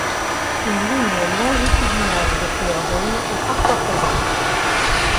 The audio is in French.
Une ligne longitudinale de couleur jaune est parfois présente.